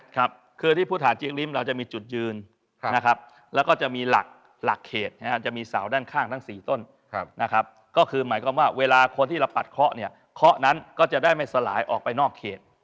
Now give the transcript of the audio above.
ครับคือที่พุทธฐานจิ๊กริมเราจะมีจุดยืนนะครับแล้วก็จะมีหลักเขตจะมีเสาด้านข้างทั้ง๔ต้นนะครับก็คือหมายความว่าเวลาคนที่เราปัดเคาะเนี่ยเคาะนั้นก็จะได้ไม่สลายออกไปนอกเขต